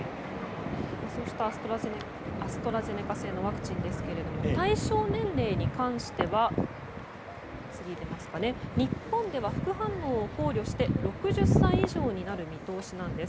そうしたアストラゼネカ製のワクチンですが対象年齢に関しては日本では副反応を考慮して６０歳以上になる見通しです。